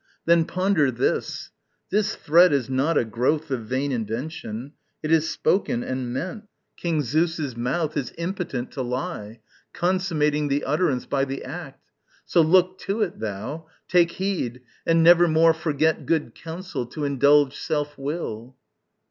Then ponder this this threat is not a growth Of vain invention; it is spoken and meant; King Zeus's mouth is impotent to lie, Consummating the utterance by the act; So, look to it, thou! take heed, and nevermore Forget good counsel, to indulge self will.